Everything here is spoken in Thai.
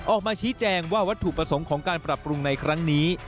ออกมาชี้แจงว่าวัตถุประสงค์ของการปรับปรุงในครั้งนี้